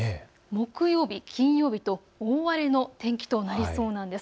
木曜日、金曜日と大荒れの天気となりそうです。